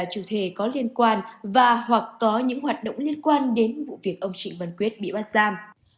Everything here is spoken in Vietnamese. chủ thể có liên quan và hoặc có những hoạt động liên quan đến vụ việc ông trịnh văn quyết bị bắt giam